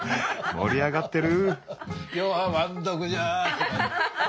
盛り上がってる！